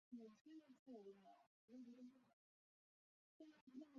琉球管须蟹为管须蟹科管须蟹属下的一个种。